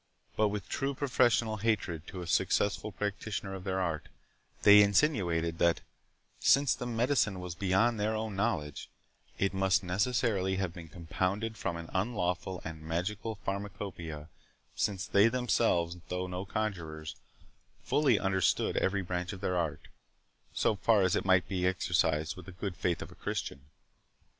But with the true professional hatred to a successful practitioner of their art, they insinuated that, since the medicine was beyond their own knowledge, it must necessarily have been compounded from an unlawful and magical pharmacopeia; since they themselves, though no conjurors, fully understood every branch of their art, so far as it might be exercised with the good faith of a Christian.